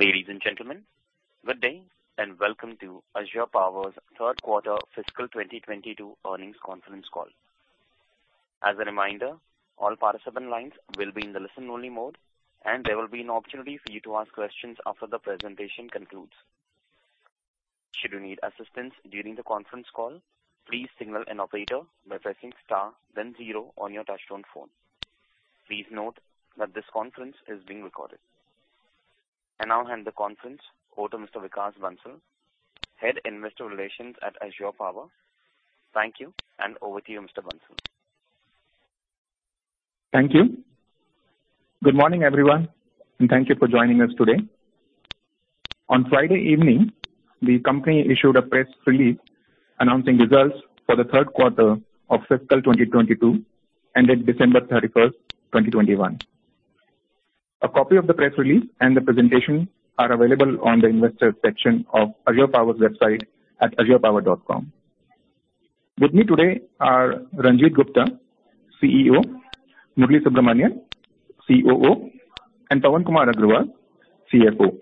Ladies and gentlemen, good day and welcome to Azure Power's third quarter fiscal 2022 earnings conference call. As a reminder, all participant lines will be in the listen-only mode, and there will be an opportunity for you to ask questions after the presentation concludes. Should you need assistance during the conference call, please signal an operator by pressing star then zero on your touchtone phone. Please note that this conference is being recorded. I now hand the conference over to Mr. Vikas Bansal, Head Investor Relations at Azure Power. Thank you, and over to you, Mr. Bansal. Thank you. Good morning, everyone, and thank you for joining us today. On Friday evening, the company issued a press release announcing results for the third quarter of fiscal 2022, ended December 31st, 2021. A copy of the press release and the presentation are available on the investor section of Azure Power's website at azurepower.com. With me today are Ranjit Gupta, CEO, Murali Subramanian, COO, and Pawan Kumar Agrawal, CFO.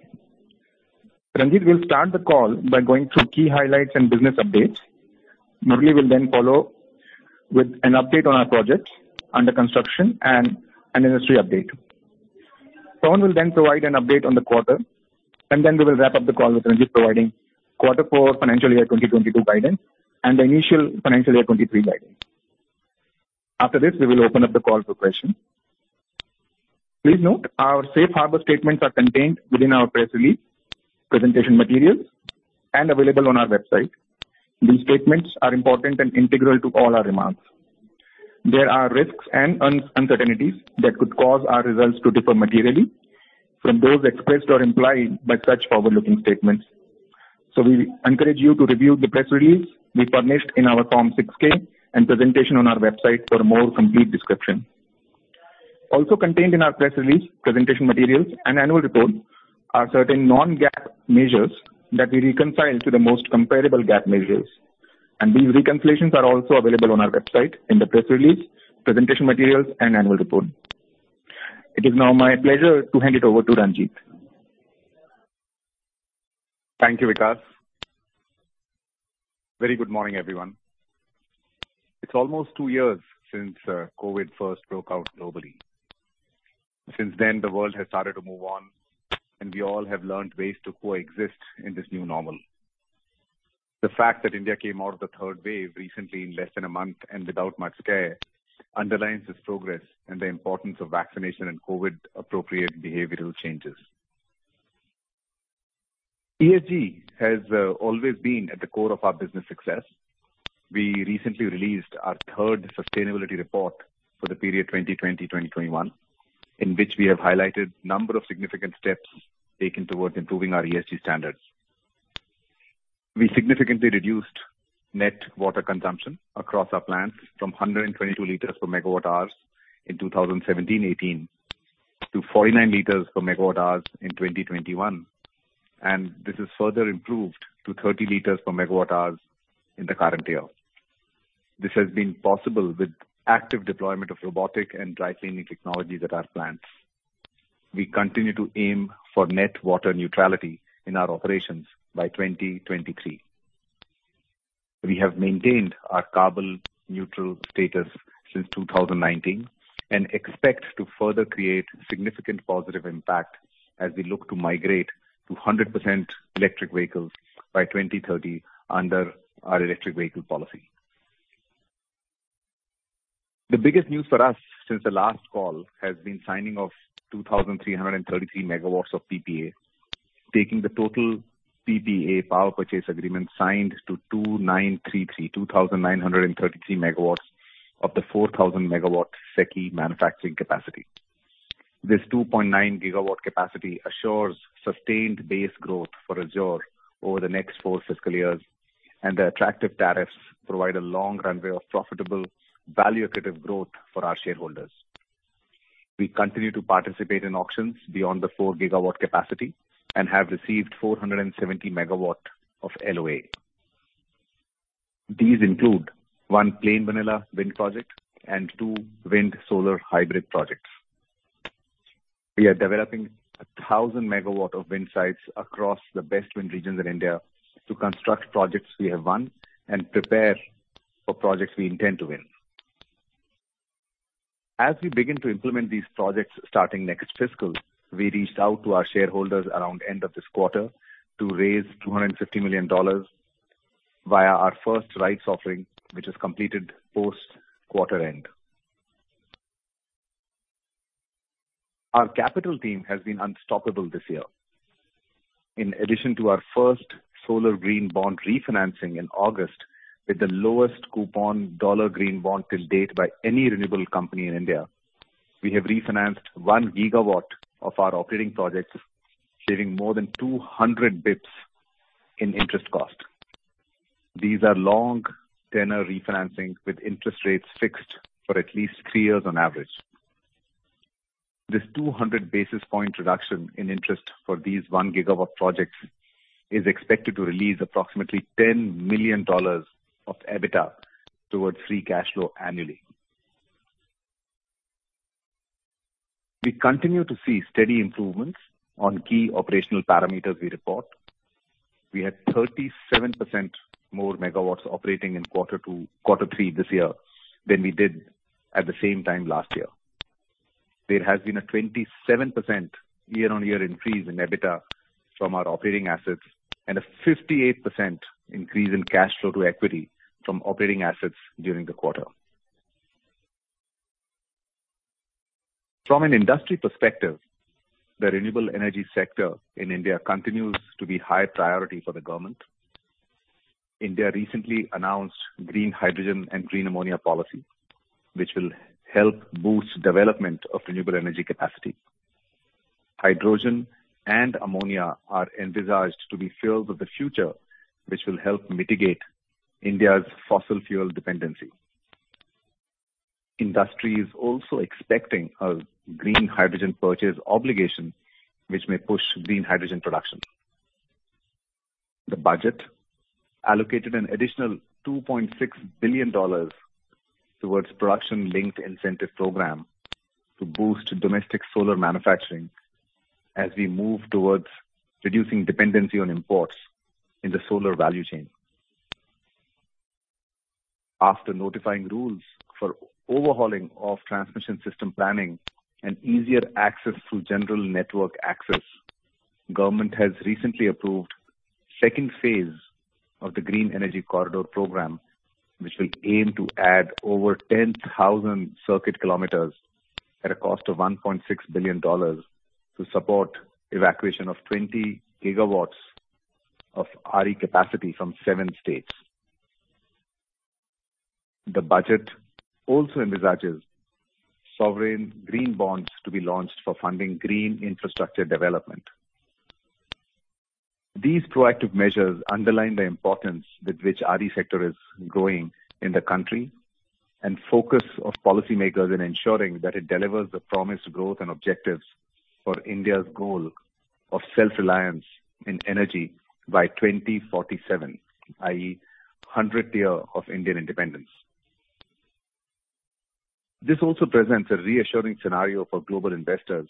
Ranjit will start the call by going through key highlights and business updates. Murali will then follow with an update on our projects under construction and an industry update. Pawan will then provide an update on the quarter, and then we will wrap up the call with Ranjit providing quarter four financial year 2022 guidance and the initial financial year 2023 guidance. After this, we will open up the call for questions. Please note our Safe Harbor statements are contained within our press release, presentation materials, and available on our website. These statements are important and integral to all our remarks. There are risks and uncertainties that could cause our results to differ materially from those expressed or implied by such forward-looking statements. We encourage you to review the press release we furnished in our Form 6-K and presentation on our website for a more complete description. Also contained in our press release, presentation materials, and annual report are certain non-GAAP measures that we reconcile to the most comparable GAAP measures. These reconciliations are also available on our website in the press release, presentation materials, and annual report. It is now my pleasure to hand it over to Ranjit. Thank you, Vikas. Very good morning, everyone. It's almost two years since COVID first broke out globally. Since then, the world has started to move on, and we all have learned ways to coexist in this new normal. The fact that India came out of the third wave recently in less than a month and without much care underlines this progress and the importance of vaccination and COVID-appropriate behavioral changes. ESG has always been at the core of our business success. We recently released our third sustainability report for the period 2020-2021, in which we have highlighted a number of significant steps taken towards improving our ESG standards. We significantly reduced net water consumption across our plants from 122 L per MWh in 2017-2018 to 49 L per MWh in 2021, and this has further improved to 30 L per MWh in the current year. This has been possible with active deployment of robotic and dry cleaning technology at our plants. We continue to aim for net water neutrality in our operations by 2023. We have maintained our carbon neutral status since 2019 and expect to further create significant positive impact as we look to migrate to 100% electric vehicles by 2030 under our electric vehicle policy. The biggest news for us since the last call has been signing of 2,333 MW of PPA, taking the total PPA power purchase agreement signed to 2,933 MW to 2,933 MW of the 4,000 MW SECI manufacturing capacity. This 2.9 GW capacity assures sustained base growth for Azure over the next four fiscal years, and the attractive tariffs provide a long runway of profitable value accretive growth for our shareholders. We continue to participate in auctions beyond the 4 GW capacity and have received 470 MW of LOA. These include one plain vanilla wind project and two wind solar hybrid projects. We are developing 1,000 MW of wind sites across the best wind regions in India to construct projects we have won and prepare for projects we intend to win. As we begin to implement these projects starting next fiscal, we reached out to our shareholders around end of this quarter to raise $250 million via our first rights offering, which is completed post-quarter end. Our capital team has been unstoppable this year. In addition to our first solar green bond refinancing in August with the lowest coupon dollar green bond to date by any renewable company in India, we have refinanced 1 GW of our operating projects, saving more than 200 bps in interest cost. These are long tenor refinancings with interest rates fixed for at least three years on average. This 200 basis point reduction in interest for these 1 GW projects is expected to release approximately $10 million of EBITDA towards free cash flow annually. We continue to see steady improvements on key operational parameters we report. We had 37% more megawatts operating in quarter three this year than we did at the same time last year. There has been a 27% year-on-year increase in EBITDA from our operating assets and a 58% increase in cash flow to equity from operating assets during the quarter. From an industry perspective, the renewable energy sector in India continues to be high priority for the government. India recently announced Green Hydrogen and Green Ammonia policy, which will help boost development of renewable energy capacity. Hydrogen and Ammonia are envisaged to be fuels of the future, which will help mitigate India's fossil fuel dependency. Industry is also expecting a Green Hydrogen purchase obligation which may push Green Hydrogen production. The budget allocated an additional $2.6 billion toward Production Linked Incentive program to boost domestic solar manufacturing as we move toward reducing dependency on imports in the solar value chain. After notifying rules for overhauling of transmission system planning and easier access through general network access, government has recently approved second phase of the Green Energy Corridor program, which will aim to add over 10,000 Ckt at a cost of $1.6 billion to support evacuation of 20 GW of RE capacity from seven states. The budget also envisages sovereign green bonds to be launched for funding green infrastructure development. These proactive measures underline the importance with which RE sector is growing in the country and focus of policymakers in ensuring that it delivers the promised growth and objectives for India's goal of self-reliance in energy by 2047, i.e., hundredth year of Indian independence. This also presents a reassuring scenario for global investors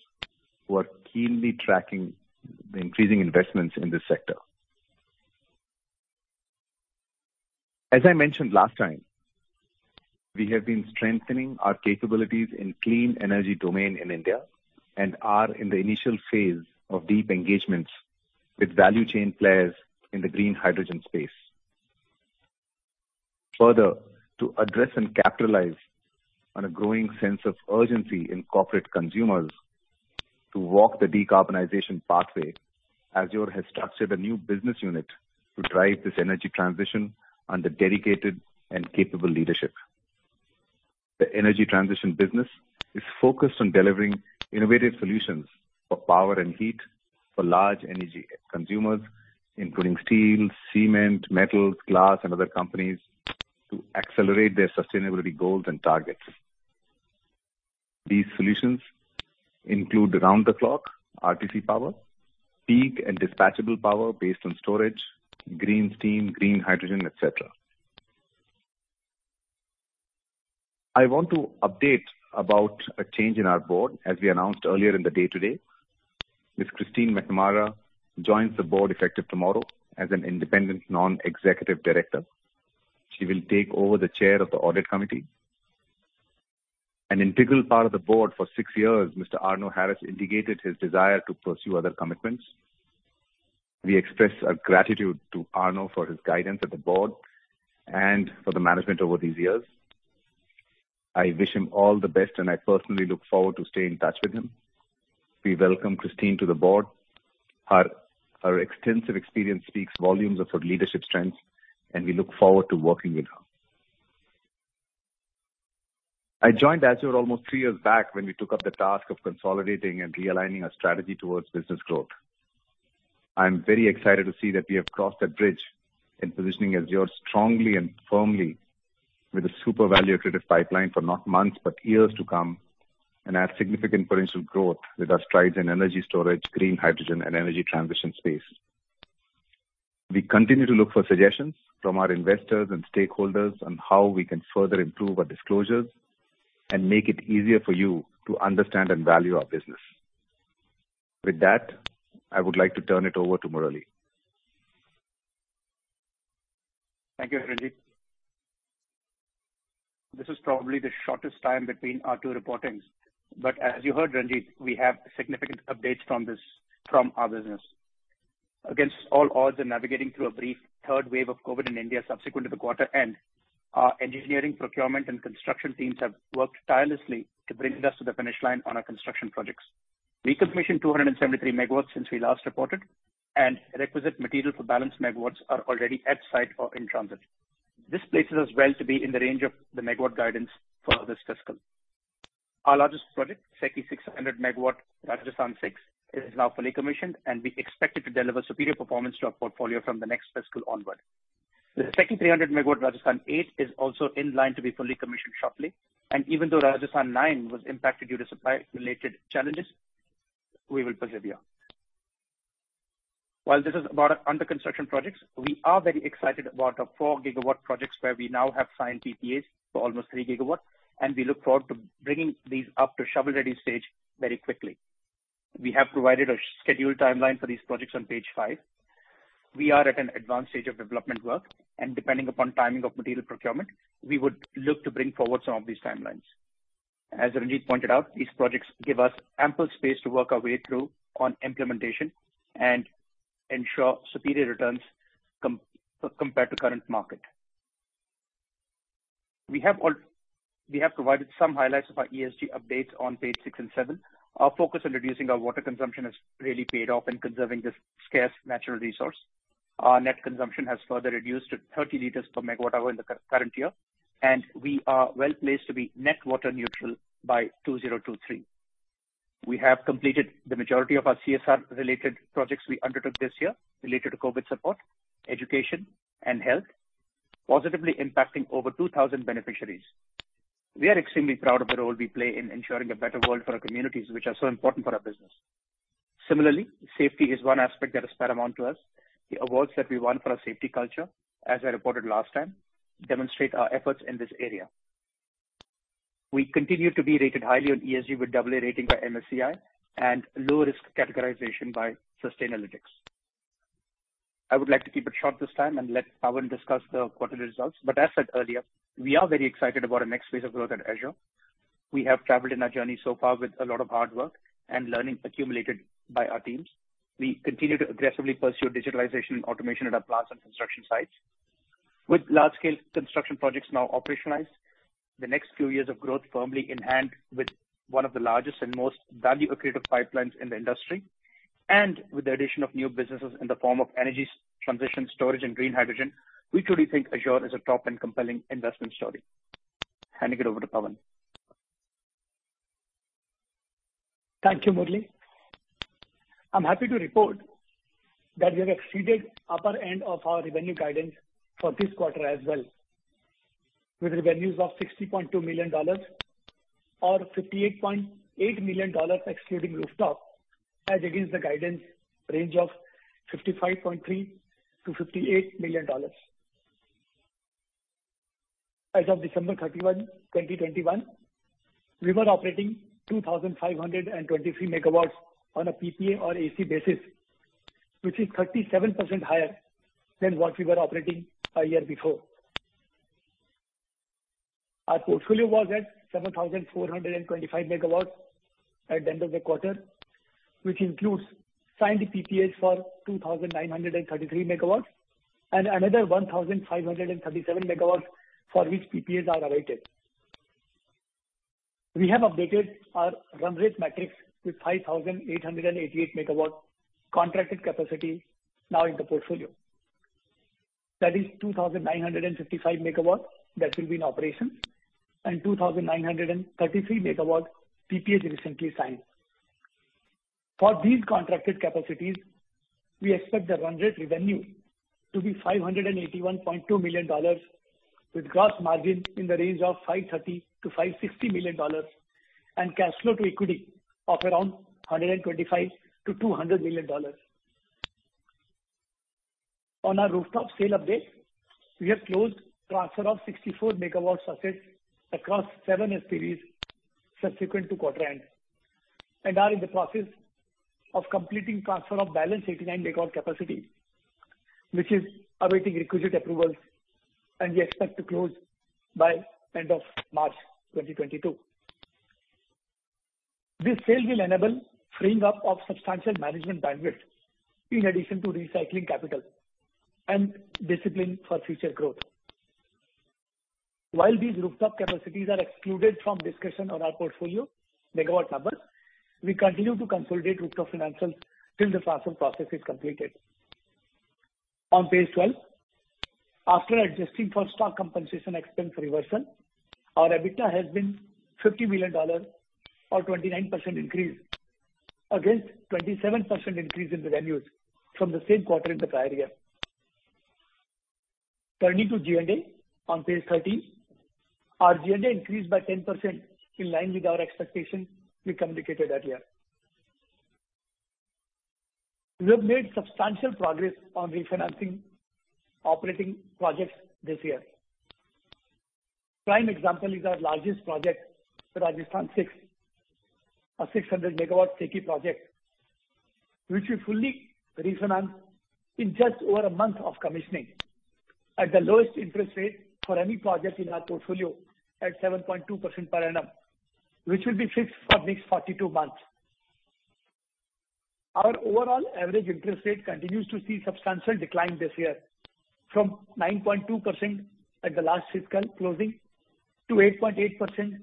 who are keenly tracking the increasing investments in this sector. As I mentioned last time, we have been strengthening our capabilities in clean energy domain in India and are in the initial phase of deep engagements with value chain players in the Green Hydrogen space. Further, to address and capitalize on a growing sense of urgency in corporate consumers to walk the decarbonization pathway, Azure has structured a new business unit to drive this energy transition under dedicated and capable leadership. The energy transition business is focused on delivering innovative solutions for power and heat for large energy consumers, including steel, cement, metals, glass and other companies, to accelerate their sustainability goals and targets. These solutions include around-the-clock RTC power, peak and dispatchable power based on storage, green steam, Green Hydrogen, et cetera. I want to update about a change in our board, as we announced earlier in the day today. Ms. Christine McNamara joins the board effective tomorrow as an Independent Non-Executive Director. She will take over the Chair of the Audit Committee. An integral part of the board for six years, Mr. Arno Harris indicated his desire to pursue other commitments. We express our gratitude to Arno for his guidance at the board and for the management over these years. I wish him all the best, and I personally look forward to staying in touch with him. We welcome Christine to the board. Her extensive experience speaks volumes of her leadership strengths, and we look forward to working with her. I joined Azure almost three years back when we took up the task of consolidating and realigning our strategy towards business growth. I'm very excited to see that we have crossed that bridge in positioning Azure strongly and firmly with a super value accretive pipeline for not months but years to come, and have significant potential growth with our strides in energy storage, Green Hydrogen and energy transition space. We continue to look for suggestions from our investors and stakeholders on how we can further improve our disclosures and make it easier for you to understand and value our business. With that, I would like to turn it over to Murali. Thank you, Ranjit. This is probably the shortest time between our two reportings, but as you heard, Ranjit, we have significant updates from this, from our business. Against all odds and navigating through a brief third wave of COVID in India subsequent to the quarter end, our engineering, procurement and construction teams have worked tirelessly to bring us to the finish line on our construction projects. We commissioned 273 MW since we last reported, and requisite material for balance megawatts are already at site or in transit. This places us well to be in the range of the megawatt guidance for this fiscal. Our largest project, SECI 600 MW Rajasthan 6, is now fully commissioned, and we expect it to deliver superior performance to our portfolio from the next fiscal onward. The second 300 MW Rajasthan 8 is also in line to be fully commissioned shortly, and even though Rajasthan 9 was impacted due to supply-related challenges, we will persevere. While this is about our under construction projects, we are very excited about our 4 GW projects, where we now have signed PPAs for almost 3 GW, and we look forward to bringing these up to shovel-ready stage very quickly. We have provided a scheduled timeline for these projects on page 5. We are at an advanced stage of development work, and depending upon timing of material procurement, we would look to bring forward some of these timelines. As Ranjit pointed out, these projects give us ample space to work our way through on implementation and ensure superior returns compared to current market. We have provided some highlights of our ESG updates on page six and seven. Our focus on reducing our water consumption has really paid off in conserving this scarce natural resource. Our net consumption has further reduced to 30 L per MWh in the current year, and we are well-placed to be net water neutral by 2023. We have completed the majority of our CSR related projects we undertook this year related to COVID support, education and health, positively impacting over 2,000 beneficiaries. We are extremely proud of the role we play in ensuring a better world for our communities, which are so important for our business. Similarly, safety is one aspect that is paramount to us. The awards that we won for our safety culture, as I reported last time, demonstrate our efforts in this area. We continue to be rated highly on ESG with AA rating by MSCI and low risk categorization by Sustainalytics. I would like to keep it short this time and let Pawan discuss the quarter results. As said earlier, we are very excited about our next phase of growth at Azure. We have traveled in our journey so far with a lot of hard work and learning accumulated by our teams. We continue to aggressively pursue digitalization and automation at our plants and construction sites. With large scale construction projects now operationalized, the next few years of growth firmly in hand with one of the largest and most value accretive pipelines in the industry, and with the addition of new businesses in the form of energy transition storage and Green Hydrogen, we truly think Azure is a top and compelling investment story. Handing it over to Pawan. Thank you, Murali. I'm happy to report that we have exceeded upper end of our revenue guidance for this quarter as well, with revenues of $60.2 million or $58.8 million excluding rooftop as against the guidance range of $55.3 million-$58 million. As of December 31, 2021, we were operating 2,523 MW on a PPA or AC basis, which is 37% higher than what we were operating a year before. Our portfolio was at 7,425 MW at the end of the quarter, which includes signed PPAs for 2,933 MW and another 1,537 MW for which PPAs are awaited. We have updated our run rate metrics with 5,888 MW contracted capacity now in the portfolio. That is 2,955 MW that will be in operation and 2,933 MW PPAs recently signed. For these contracted capacities, we expect the run rate revenue to be $581.2 million, with gross margin in the range of $530 million-$560 million and cash flow to equity of around $125 million-$200 million. On our rooftop sale update, we have closed transfer of 64 MW assets across seven SPVs subsequent to quarter end, and are in the process of completing transfer of balance 89 MW capacity, which is awaiting requisite approvals, and we expect to close by end of March 2022. This sale will enable freeing up of substantial management bandwidth in addition to recycling capital and discipline for future growth. While these rooftop capacities are excluded from discussion on our portfolio megawatt number, we continue to consolidate rooftop financials till the transfer process is completed. On page 12, after adjusting for stock compensation expense reversal, our EBITDA has been $50 million or 29% increase against 27% increase in revenues from the same quarter in the prior year. Turning to JDA on page 13. Our JDA increased by 10% in line with our expectation we communicated earlier. We have made substantial progress on refinancing operating projects this year. Prime example is our largest project, Rajasthan 6, a 600 MW SECI project, which we fully refinanced in just over a month of commissioning at the lowest interest rate for any project in our portfolio at 7.2% per annum, which will be fixed for next 42 months. Our overall average interest rate continues to see substantial decline this year from 9.2% at the last fiscal closing to 8.8%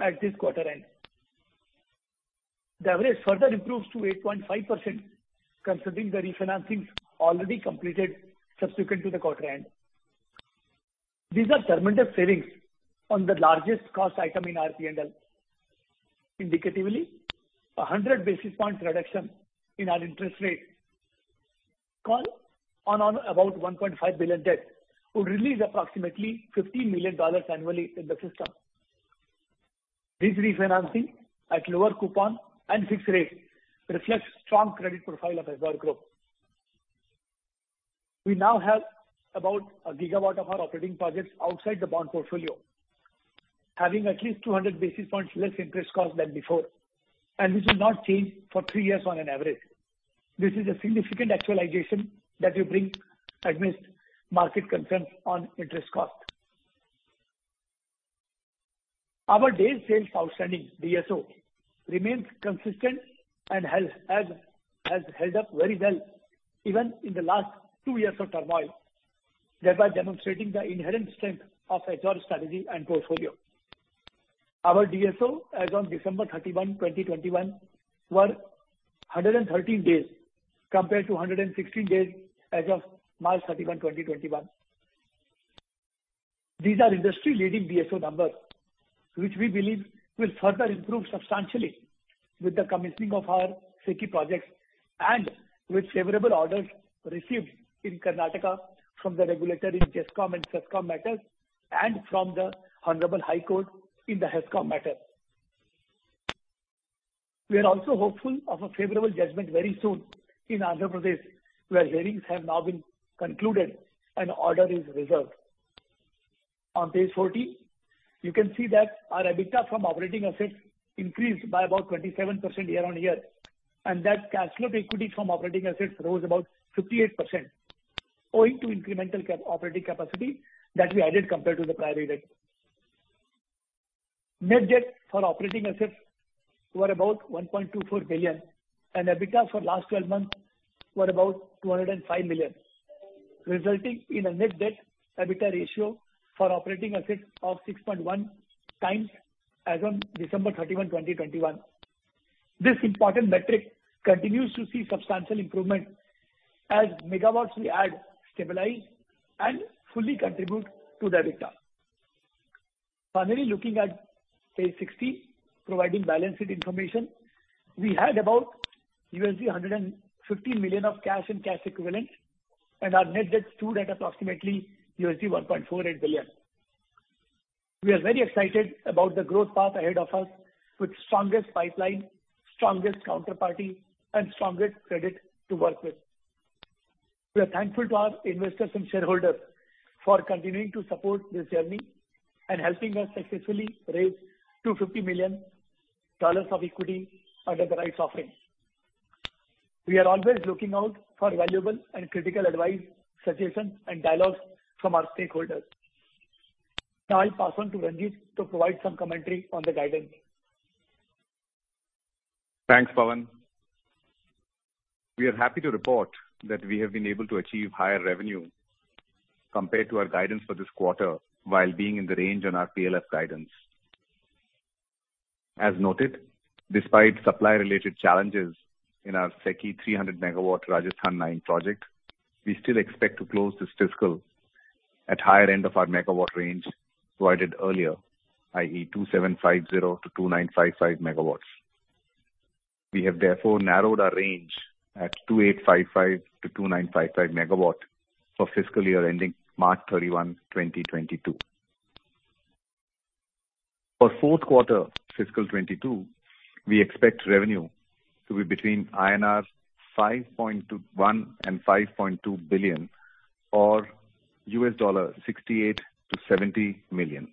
at this quarter end. The average further improves to 8.5% considering the refinancings already completed subsequent to the quarter end. These are permanent savings on the largest cost item in our P&L. Indicatively, 100 basis points reduction in our interest rate call on about $1.5 billion debt would release approximately $50 million annually in the system. This refinancing at lower coupon and fixed rate reflects strong credit profile of Azure Group. We now have about a gigawatt of our operating projects outside the bond portfolio, having at least 200 basis points less interest cost than before, and this will not change for three years on average. This is a significant actualization that we bring amidst market concerns on interest cost. Our days sales outstanding, DSO, remains consistent and has held up very well even in the last two years of turmoil, thereby demonstrating the inherent strength of Azure strategy and portfolio. Our DSO as on December 31, 2021 were 113 days compared to 116 days as of March 31, 2021. These are industry-leading DSO numbers, which we believe will further improve substantially with the commissioning of our SECI projects and with favorable orders received in Karnataka from the regulator in GESCOM and CESCOM matters and from the Hon’ble High Court in the HESCOM matter. We are also hopeful of a favorable judgment very soon in Andhra Pradesh, where hearings have now been concluded and order is reserved. On page 14, you can see that our EBITDA from operating assets increased by about 27% year-over-year, and that cash flow equity from operating assets rose about 58%, owing to incremental operating capacity that we added compared to the prior year. Net debt for operating assets were about $1.24 billion and EBITDA for last twelve months were about $205 million, resulting in a net debt EBITDA ratio for operating assets of 6.1x as on December 31, 2021. This important metric continues to see substantial improvement as megawatts we add stabilize and fully contribute to the EBITDA. Finally, looking at page 60, providing balance sheet information. We had about $115 million of cash and cash equivalent, and our net debt stood at approximately $1.48 billion. We are very excited about the growth path ahead of us with strongest pipeline, strongest counterparty, and strongest credit to work with. We are thankful to our investors and shareholders for continuing to support this journey and helping us successfully raise $250 million of equity under the rights offering. We are always looking out for valuable and critical advice, suggestions, and dialogues from our stakeholders. Now I'll pass on to Ranjit to provide some commentary on the guidance. Thanks, Pawan. We are happy to report that we have been able to achieve higher revenue compared to our guidance for this quarter while being in the range on our PLF guidance. As noted, despite supply-related challenges in our SECI 300 MW Rajasthan 9 project, we still expect to close this fiscal at higher end of our megawatt range provided earlier, i.e., 2,750 MW-2,955 MW. We have therefore narrowed our range at 2,855 MW-2,955 MW for fiscal year ending March 31, 2022. For fourth quarter fiscal 2022, we expect revenue to be between INR 5.1 billion and 5.2 billion or $68 million-$70 million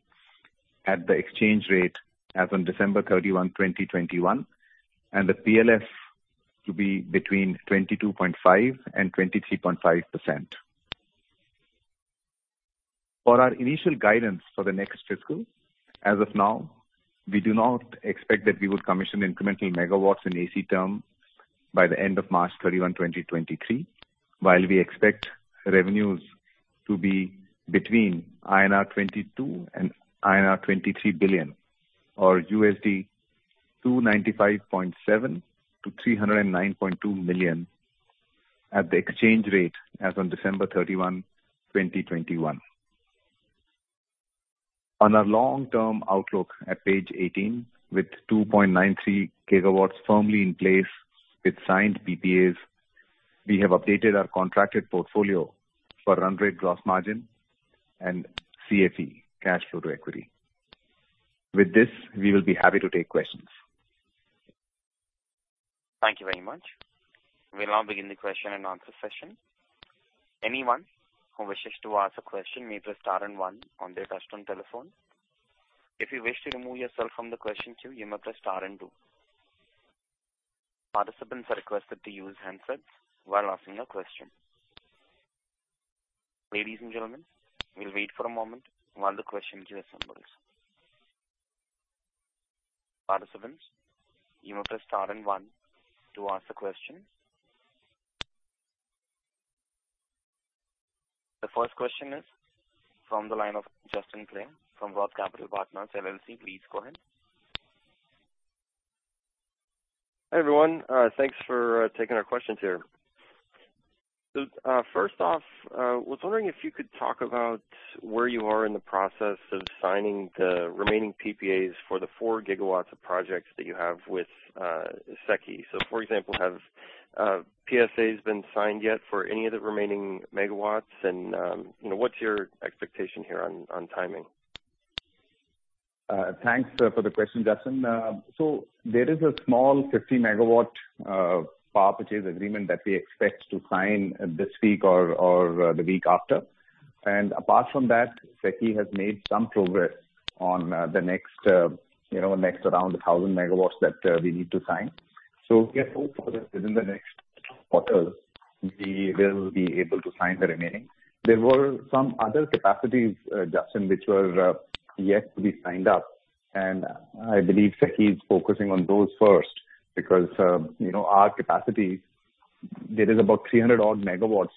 at the exchange rate as on December 31, 2021, and the PLF to be between 22.5% and 23.5%. For our initial guidance for the next fiscal, as of now, we do not expect that we would commission incremental megawatts in AC term by the end of March 31, 2023. While we expect revenues to be between INR 22 billion and INR 23 billion or $295.7 million-$309.2 million at the exchange rate as on December 31, 2021. On our long-term outlook at page 18, with 2.93 GW firmly in place with signed PPAs, we have updated our contracted portfolio for run rate gross margin and CFE, cash flow to equity. With this, we will be happy to take questions. Thank you very much. We'll now begin the question and answer session. Anyone who wishes to ask a question may press star and one on their touchtone telephone. If you wish to remove yourself from the question queue, you may press star and two. Participants are requested to use handsets while asking a question. Ladies and gentlemen, we'll wait for a moment while the question queue assembles. Participants, you may press star and one to ask a question. The first question is from the line of Justin Clare from Roth Capital Partners, LLC. Please go ahead. Hi, everyone. Thanks for taking our questions here. First off, I was wondering if you could talk about where you are in the process of signing the remaining PPAs for the 4 GW of projects that you have with SECI. For example, have PPAs been signed yet for any of the remaining megawatts? You know, what's your expectation here on timing? Thanks for the question, Justin. There is a small 50 MW power purchase agreement that we expect to sign this week or the week after. Apart from that, SECI has made some progress on the next round, you know, next around 1,000 MW that we need to sign. We are hopeful that within the next quarter we will be able to sign the remaining. There were some other capacities, Justin, which were yet to be signed up, and I believe SECI is focusing on those first because, you know, our capacity, there is about 300-odd MW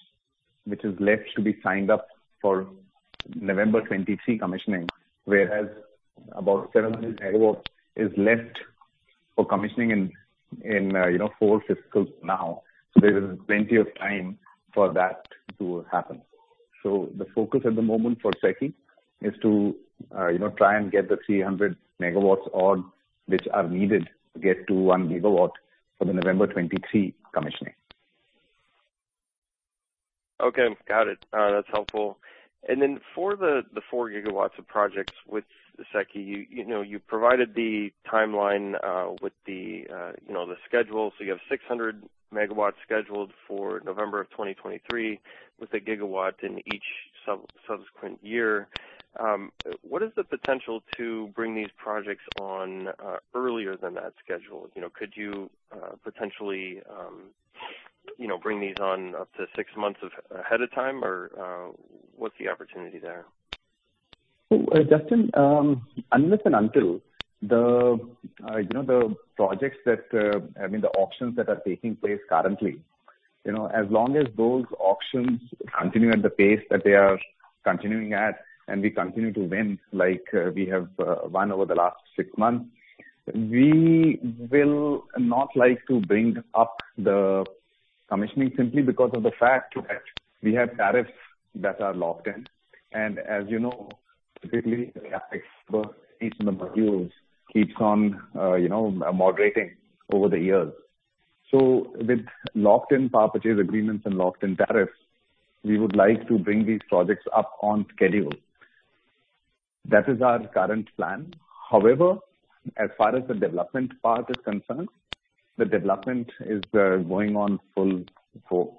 which is left to be signed up for November 2023 commissioning, whereas about 700 MW is left for commissioning in four fiscals now. There is plenty of time for that to happen. The focus at the moment for SECI is to try and get the 300 MW odd which are needed to get to 1 MW for the November 2023 commissioning. Okay, got it. That's helpful. For the 4 GW of projects with the SECI, you provided the timeline with the schedule. You have 600 MW scheduled for November 2023, with 1 GW in each subsequent year. What is the potential to bring these projects online earlier than that schedule? Could you potentially bring these online up to six months ahead of time? Or, what's the opportunity there? Justin, unless and until the, you know, the projects that, I mean, the auctions that are taking place currently, you know, as long as those auctions continue at the pace that they are continuing at, and we continue to win like we have won over the last six months, we will not like to bring up the commissioning simply because of the fact that we have tariffs that are locked in. As you know, typically keeps on, you know, moderating over the years. With locked in power purchase agreements and locked in tariffs, we would like to bring these projects up on schedule. That is our current plan. However, as far as the development part is concerned, the development is going on full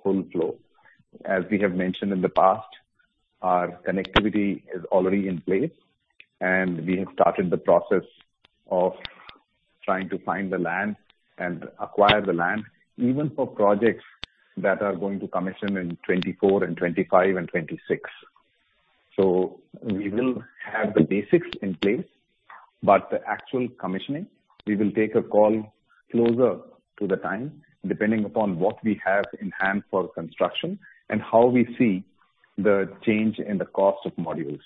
flow. As we have mentioned in the past, our connectivity is already in place and we have started the process of trying to find the land and acquire the land even for projects that are going to commission in 2024 and 2025 and 2026. We will have the basics in place, but the actual commissioning, we will take a call closer to the time, depending upon what we have in hand for construction and how we see the change in the cost of modules.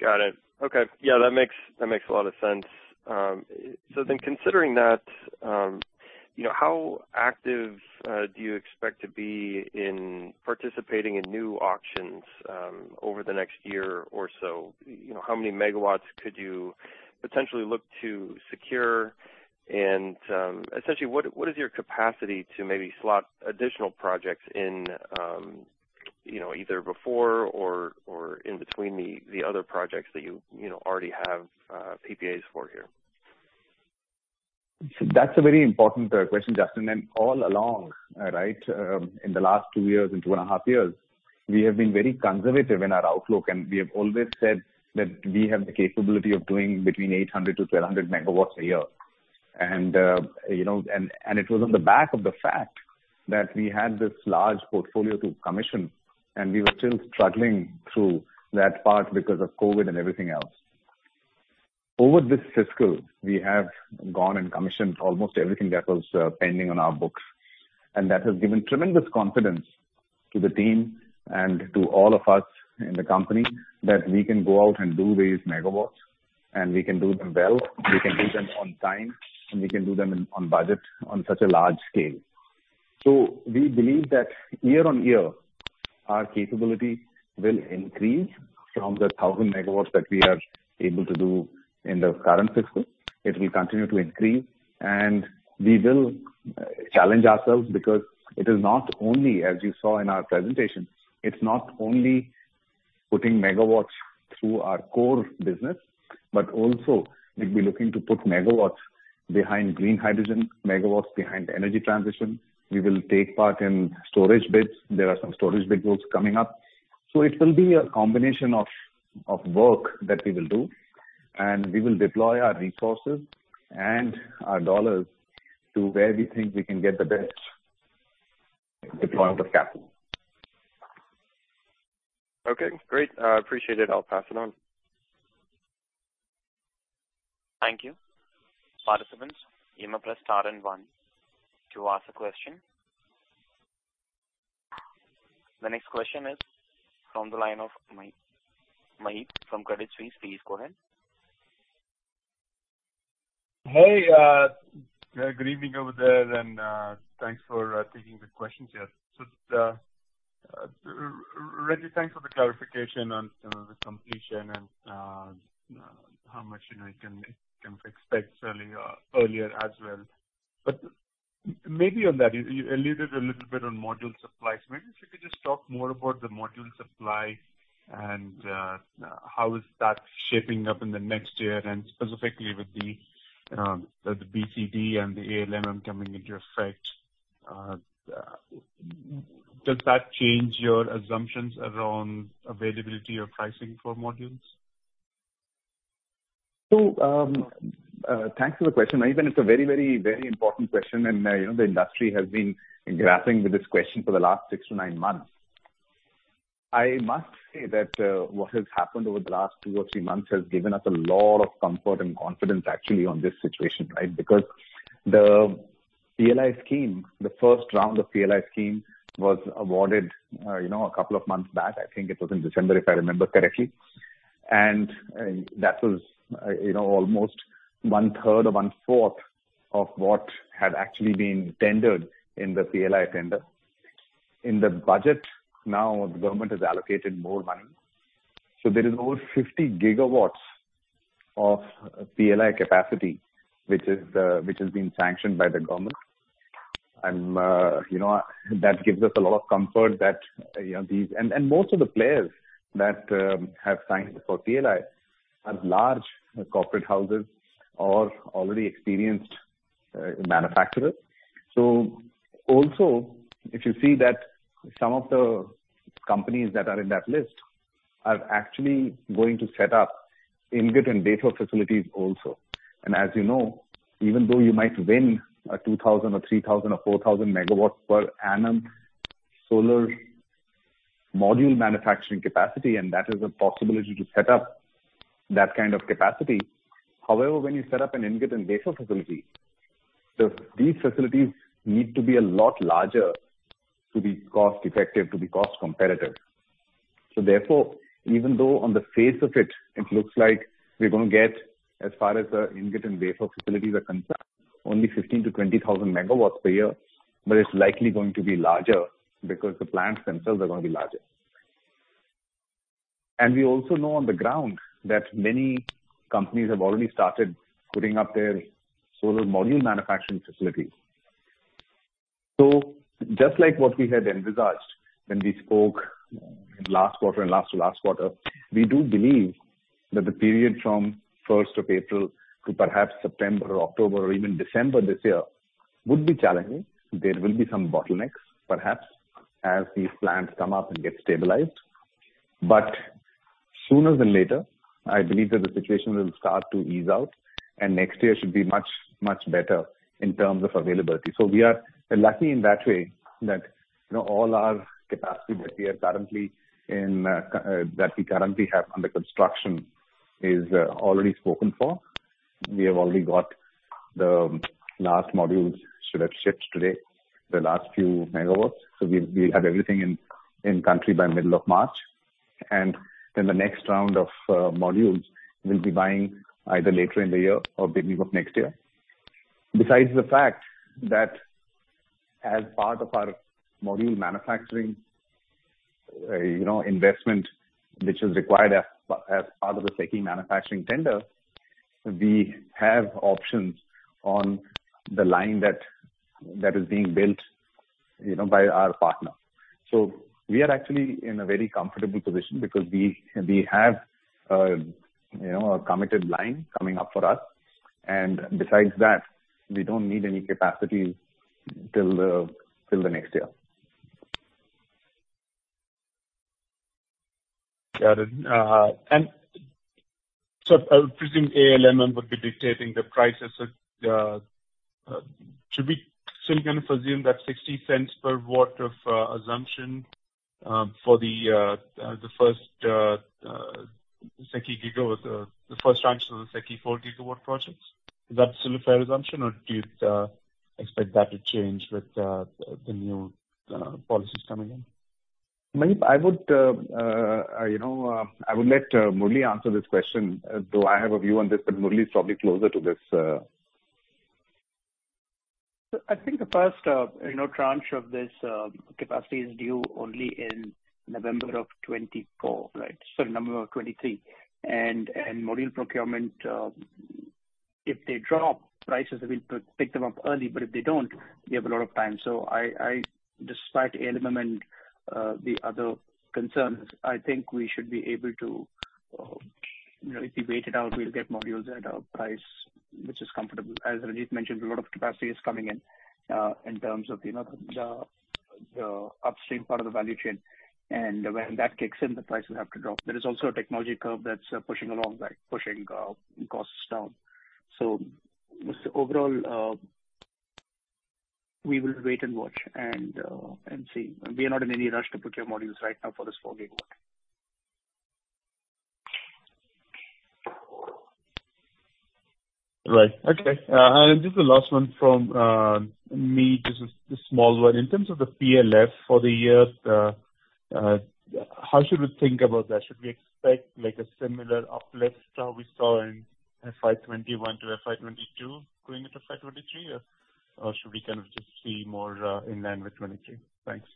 Got it. Okay. Yeah, that makes a lot of sense. Considering that, you know, how active do you expect to be in participating in new auctions over the next year or so? You know, how many megawatts could you potentially look to secure? Essentially, what is your capacity to maybe slot additional projects in, you know, either before or in between the other projects that you know already have PPAs for here? That's a very important question, Justin. All along, right, in the last two years and 2.5 years, we have been very conservative in our outlook, and we have always said that we have the capability of doing between 800-1,200 MW a year. You know, it was on the back of the fact that we had this large portfolio to commission and we were still struggling through that part because of COVID and everything else. Over this fiscal, we have gone and commissioned almost everything that was pending on our books, and that has given tremendous confidence to the team and to all of us in the company that we can go out and do these megawatts and we can do them well, we can do them on time, and we can do them on budget on such a large scale. We believe that year-on-year, our capability will increase from the 1,000 MW that we are able to do in the current fiscal. It will continue to increase, and we will challenge ourselves because it is not only, as you saw in our presentation, it's not only putting megawatts through our core business, but also we'll be looking to put megawatts behind Green Hydrogen, megawatts behind energy transition. We will take part in storage bids. There are some storage bids coming up. It will be a combination of work that we will do, and we will deploy our resources and our dollars to where we think we can get the best deployment of capital. Okay, great. Appreciate it. I'll pass it on. Thank you. Participants, you may press star and one to ask a question. The next question is from the line of Maheep Mandloi from Credit Suisse. Please go ahead. Hey, good evening over there. Thanks for taking the questions here. Ranjit, thanks for the clarification on some of the completion and how much, you know, we can expect early, earlier as well. Maybe on that, you alluded a little bit on module supplies. Maybe if you could just talk more about the module supply and how is that shaping up in the next year and specifically with the BCD and the ALMM coming into effect. Does that change your assumptions around availability or pricing for modules? Thanks for the question, Maheep. It's a very important question, and you know, the industry has been grappling with this question for the last 6-9 months. I must say that what has happened over the last 2 or 3 months has given us a lot of comfort and confidence actually on this situation, right? Because the PLI scheme, the first round of PLI scheme was awarded, you know, a couple of months back. I think it was in December, if I remember correctly. That was, you know, almost one third or one fourth of what had actually been tendered in the PLI tender. In the budget now the government has allocated more money. There is over 50 GW of PLI capacity, which has been sanctioned by the government. You know, that gives us a lot of comfort that, you know, these most of the players that have signed for PLI are large corporate houses or already experienced manufacturers. Also, if you see that some of the companies that are in that list are actually going to set up ingot and wafer facilities also. As you know, even though you might win a 2,000 MW or 3,000 MW or 4,000 MW per annum solar module manufacturing capacity, and that is a possibility to set up that kind of capacity. However, when you set up an ingot and wafer facility, these facilities need to be a lot larger to be cost effective, to be cost competitive. Therefore, even though on the face of it looks like we're gonna get as far as the ingot and wafer facilities are concerned, only 15,000 MW-20,000 MW per year, but it's likely going to be larger because the plants themselves are gonna be larger. We also know on the ground that many companies have already started putting up their solar module manufacturing facilities. Just like what we had envisaged when we spoke last quarter and last to last quarter, we do believe that the period from first of April to perhaps September or October or even December this year would be challenging. There will be some bottlenecks, perhaps, as these plants come up and get stabilized. Sooner than later, I believe that the situation will start to ease out, and next year should be much, much better in terms of availability. We are lucky in that way that, you know, all our capacity that we are currently in, that we currently have under construction is, already spoken for. We have already got the last modules should have shipped today, the last few megawatts. We will have everything in country by middle of March. Then the next round of modules we'll be buying either later in the year or beginning of next year. Besides the fact that as part of our module manufacturing, you know, investment, which is required as part of the SECI manufacturing tender, we have options on the line that is being built, you know, by our partner. We are actually in a very comfortable position because we have a committed line coming up for us. Besides that, we don't need any capacity till the next year. Got it. I would presume ALMM would be dictating the prices. Should we still kind of assume that $0.60 per W as an assumption for the first SECI GW, the first tranche of the SECI 4 GW projects? Is that still a fair assumption, or do you expect that to change with the new policies coming in? Maheep, I would let Murali answer this question. Though I have a view on this, but Murali is probably closer to this. I think the first you know tranche of this capacity is due only in November of 2024, right? Sorry, November of 2023. Module procurement if they drop prices, we'll pick them up early, but if they don't, we have a lot of time. Despite ALMM and the other concerns, I think we should be able to you know if we wait it out, we'll get modules at a price which is comfortable. As Ranjit mentioned, a lot of capacity is coming in in terms of you know the upstream part of the value chain. When that kicks in, the prices have to drop. There is also a technology curve that's pushing costs down. Overall, we will wait and watch and see. We are not in any rush to procure modules right now for this 4 GW. Right. Okay. Just the last one from me. Just a small one. In terms of the PLF for the year, how should we think about that? Should we expect like a similar uplift to how we saw in FY 2021 to FY 2022 going into FY 2023? Or should we kind of just see more in line with 2022? Thanks.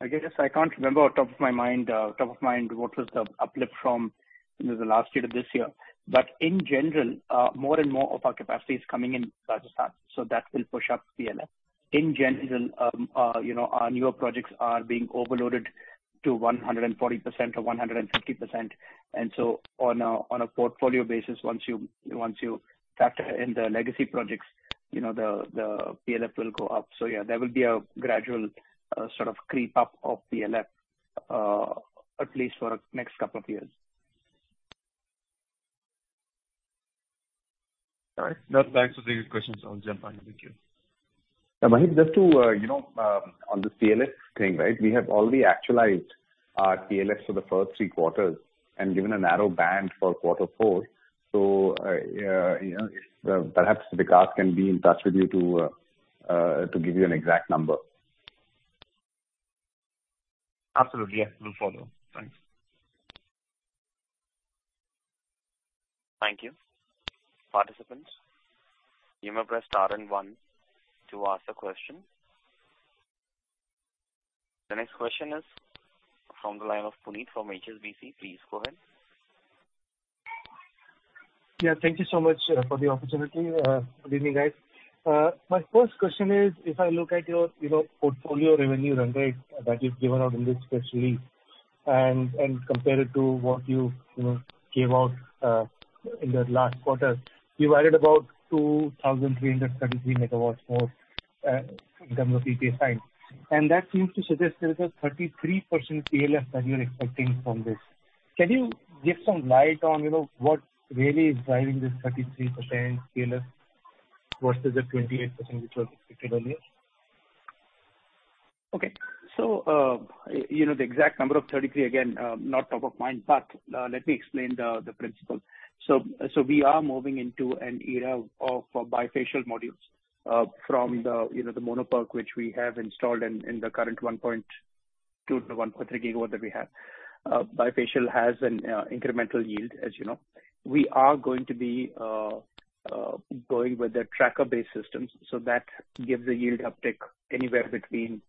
I guess I can't remember off top of my mind what was the uplift from, you know, the last year to this year. In general, more and more of our capacity is coming in Rajasthan, so that will push up PLF. In general, you know, our newer projects are being overloaded to 100% or 150%. On a portfolio basis, once you factor in the legacy projects, you know, the PLF will go up. Yeah, there will be a gradual sort of creep up of PLF at least for next couple of years. All right. Now back to the questions on... Yeah. Maheep, just to, you know, on this PLF thing, right? We have already actualized our PLFs for the first three quarters and given a narrow band for quarter four. Yeah, you know, perhaps Vikas can be in touch with you to give you an exact number. Absolutely. Yes. Will follow. Thanks. Thank you. Participants, you may press star and one to ask a question. The next question is from the line of Puneet Gulati from HSBC. Please go ahead. Yeah. Thank you so much for the opportunity. Good evening, guys. My first question is, if I look at your, you know, portfolio revenue run rate that you've given out in this press release and compare it to what you know, gave out in the last quarter, you added about 2,333 MW more in terms of PPA signs. That seems to suggest there is a 33% PLF that you're expecting from this. Can you give some light on, you know, what really is driving this 33% PLF versus the 28% which was expected earlier? Okay. You know, the exact number of 33, again, not top of mind, but let me explain the principle. We are moving into an era of bifacial modules from the, you know, the mono PERC which we have installed in the current 1.2 GW-1.3 GW that we have. Bifacial has an incremental yield, as you know. We are going to be going with the tracker-based systems, so that gives a yield uptick anywhere between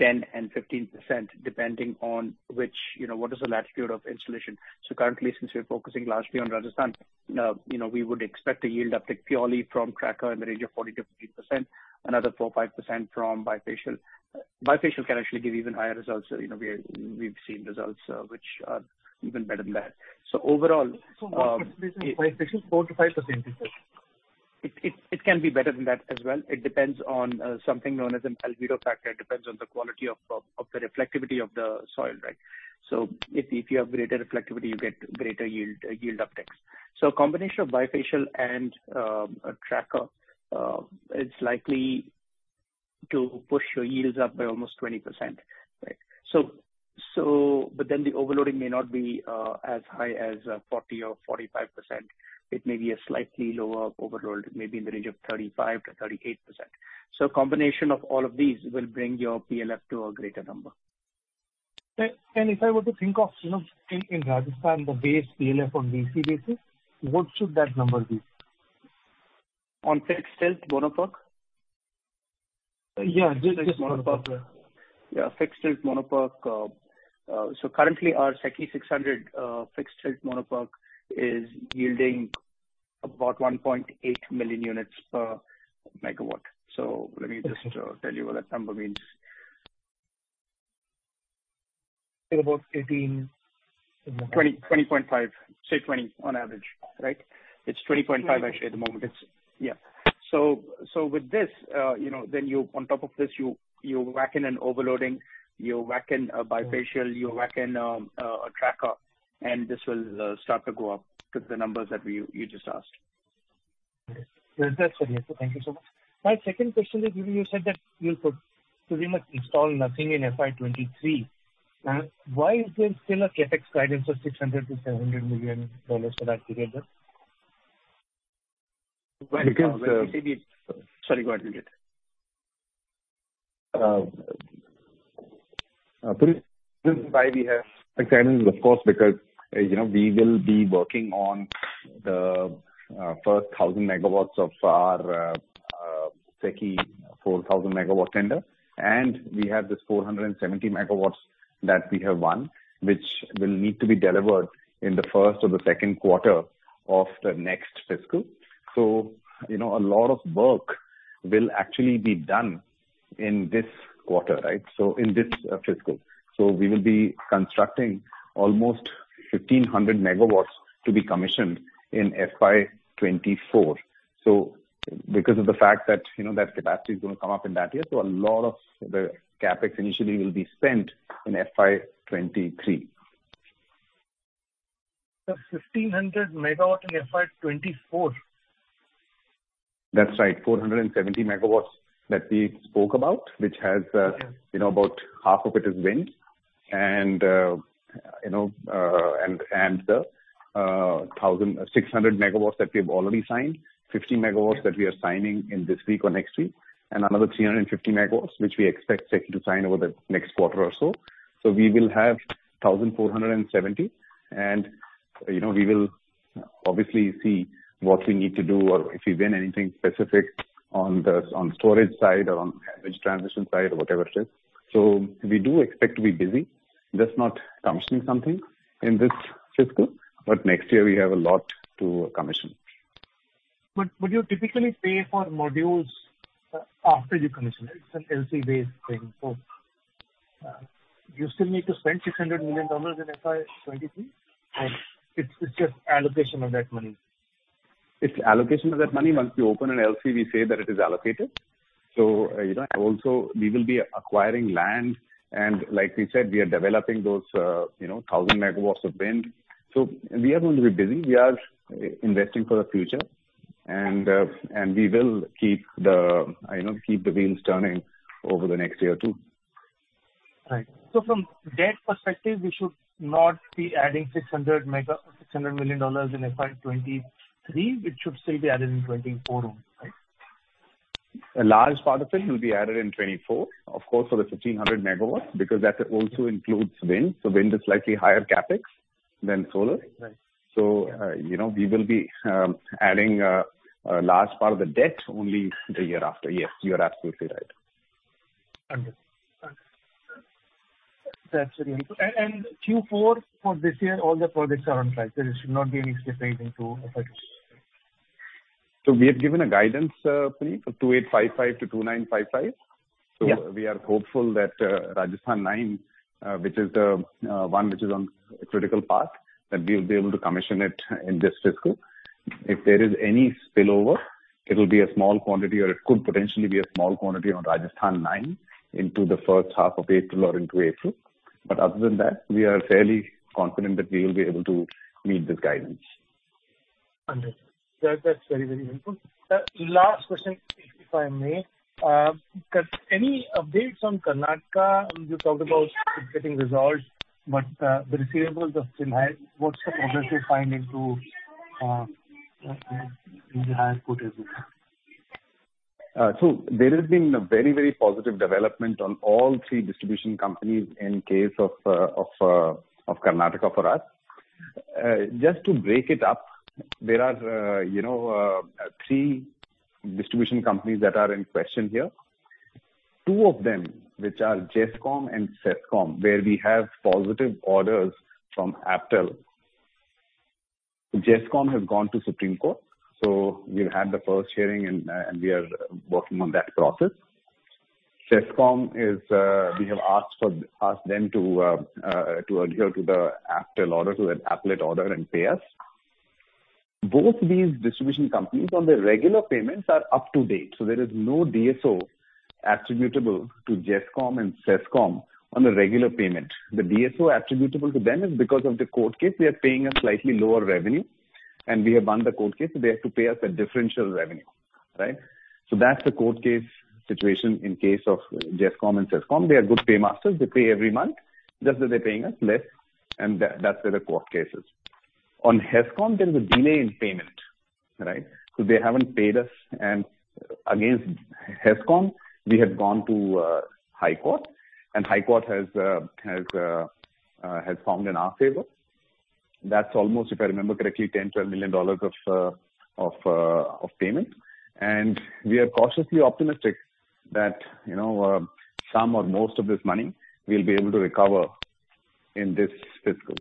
10%-15%, depending on which, you know, what is the latitude of installation. Currently, since we're focusing largely on Rajasthan, you know, we would expect a yield uptick purely from tracker in the range of 40%-50%, another 4%-5% from bifacial. Bifacial can actually give even higher results. You know, we've seen results, which are even better than that. Overall, What percentage is bifacial? 4%-5% you said. It can be better than that as well. It depends on something known as an albedo factor. It depends on the quality of the reflectivity of the soil, right? If you have greater reflectivity, you get greater yield upticks. Combination of bifacial and a tracker, it's likely to push your yields up by almost 20%, right? But then the overloading may not be as high as 40% or 45%. It may be a slightly lower overload, maybe in the range of 35%-38%. Combination of all of these will bring your PLF to a greater number. If I were to think of, you know, in Rajasthan, the base PLF on DC basis, what should that number be? On fixed tilt mono PERC? Yeah. Just mono PERC. Yeah. Fixed tilt mono PERC. Currently our SECI 600 fixed tilt mono PERC is yielding about 1.8 million units per MW. Let me just tell you what that number means. It's about 18. 20.5. Say 20 on average, right? It's 20.5 actually at the moment. Yeah. So with this, you know, then on top of this you whack in an overloading, you whack in a bifacial, you whack in a tracker, and this will start to go up to the numbers that you just asked. That's okay. Thank you so much. My second question is, you said that you'll put pretty much install nothing in FY 2023. Why is there still a CapEx guidance of $600 million-$700 million for that period then? Because, uh- Sorry, go ahead, Puneet. Puneet, the reason why we have guidance is, of course, because, you know, we will be working on the first 1,000 MW of our SECI 4,000 MW tender. We have this 470 MW that we have won, which will need to be delivered in the first or the second quarter of the next fiscal. You know, a lot of work will actually be done in this quarter, right? In this fiscal. We will be constructing almost 1,500 MW to be commissioned in FY 2024. Because of the fact that, you know, that capacity is gonna come up in that year, a lot of the CapEx initially will be spent in FY 2023. 1,500 MW in FY 2024? That's right. 470 MW that we spoke about, which has, you know, about half of it is wind and the 1,600 MW that we have already signed, 50 MW that we are signing this week or next week, and another 350 MW which we expect SECI to sign over the next quarter or so. We will have 1,470. You know, we will obviously see what we need to do or if we win anything specific on the storage side or on Green Energy Corridor transition side or whatever it is. We do expect to be busy, just not commissioning something in this fiscal, but next year we have a lot to commission. Would you typically pay for modules after you commission it? It's an LC-based thing, so you still need to spend $600 million in FY 2023. It's just allocation of that money. It's allocation of that money. Once we open an LC, we say that it is allocated. You know, also we will be acquiring land, and like we said, we are developing those 1,000 MW of wind. We are going to be busy. We are investing for the future. We will, you know, keep the wheels turning over the next year, too. Right. From debt perspective, we should not be adding $600 million in FY 2023. It should still be added in 2024 only, right? A large part of it will be added in 2024. Of course, for the 1,500 MW, because that also includes wind. Wind is slightly higher CapEx than solar. Right. you know, we will be adding a large part of the debt only the year after. Yes, you are absolutely right. Understood. That's very helpful. Q4 for this year, all the projects are on track. There should not be any slippage effects. We have given a guidance, Puneet, for 2855-2955. Yeah. We are hopeful that Rajasthan 9, which is the one which is on critical path, that we'll be able to commission it in this fiscal. If there is any spillover, it'll be a small quantity, or it could potentially be a small quantity on Rajasthan 9 into the first half of April or into April. Other than that, we are fairly confident that we will be able to meet this guidance. Understood. That's very, very helpful. Last question, if I may. Any updates on Karnataka? You talked about it getting resolved, but the receivables are still high. What's the progress you're finding to in the Hon’ble High Court cases? There has been a very, very positive development on all three distribution companies in case of Karnataka for us. Just to break it up, there are, you know, three distribution companies that are in question here. Two of them, which are GESCOM and CESCOM, where we have positive orders from APTEL. GESCOM has gone to Supreme Court, so we've had the first hearing and we are working on that process. CESCOM, we have asked them to adhere to the APTEL order, so the appellate order, and pay us. Both these distribution companies on their regular payments are up to date, so there is no DSO attributable to GESCOM and CESCOM on the regular payment. The DSO attributable to them is because of the court case. We are paying a slightly lower revenue, and we have won the court case, so they have to pay us a differential revenue, right? That's the court case situation in case of GESCOM and CESCOM. They are good paymasters. They pay every month. Just that they're paying us less. That's where the court case is. On HESCOM, there is a delay in payment, right? They haven't paid us. Against HESCOM, we have gone to Hon’ble High Court, and Hon’ble High Court has found in our favor. That's almost, if I remember correctly, $10 million-$12 million of payment. We are cautiously optimistic that some or most of this money we'll be able to recover in this fiscal.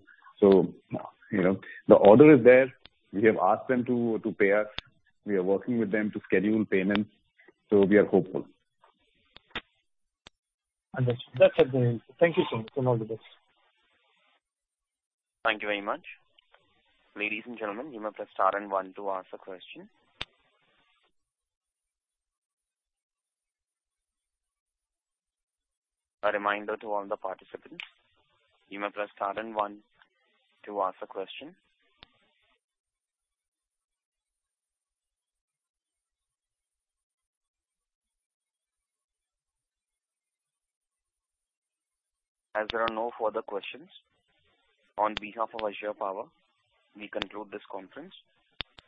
The order is there. We have asked them to pay us. We are working with them to schedule payments. We are hopeful. Understood. That's very helpful. Thank you so much, and all the best. Thank you very much. Ladies and gentlemen, you may press star and one to ask a question. A reminder to all the participants, you may press star and one to ask a question. As there are no further questions, on behalf of Azure Power, we conclude this conference.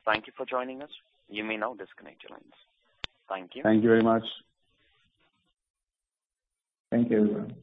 Thank you for joining us. You may now disconnect your lines. Thank you. Thank you very much. Thank you.